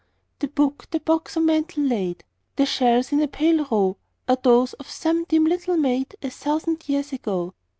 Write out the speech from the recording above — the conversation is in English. The book, the box on mantel laid, The shells in a pale row, Are those of some dim little maid, A thousand years ago.